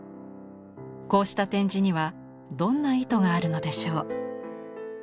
こうした展示にはどんな意図があるのでしょう。